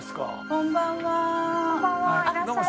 こんばんは。